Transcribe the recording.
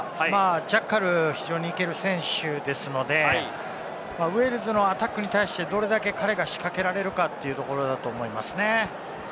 ジャッカル、非常に行ける選手ですので、ウェールズのアタックに対してどれだけ彼が仕掛けられるかというところだと思いますね。